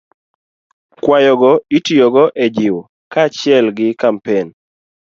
Kwayogo itiyogo e jiwo ji kaachiel gi kampen